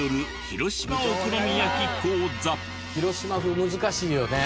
広島風難しいよね。